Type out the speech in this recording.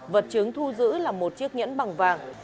vật chứng thu giữ là một chiếc nhẫn bằng vàng